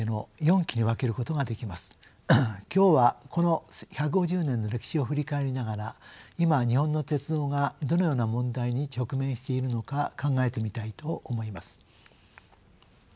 今日はこの１５０年の歴史を振り返りながら今日本の鉄道がどのような問題に直面しているのか考えてみたいと思います。